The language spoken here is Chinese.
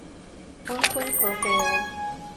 安徽合肥人。